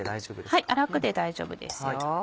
はい粗くで大丈夫ですよ。